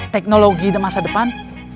teknologi masa depan